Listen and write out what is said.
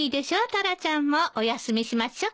タラちゃんもおやすみしましょう。